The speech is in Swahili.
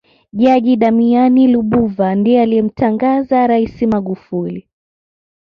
jaji damian lubuva ndiye aliyemtangaza raisi magufuli